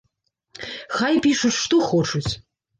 Хай пішуць што хочуць.